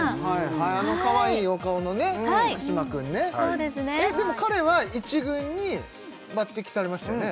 あのかわいいお顔のね福嶌君ねえっでも彼は１軍に抜てきされましたよね？